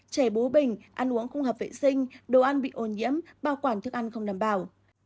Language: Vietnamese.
trẻ bú bình ăn uống không hợp vệ sinh đồ ăn bị ô nhiễm bảo quản thức ăn không đảm bảo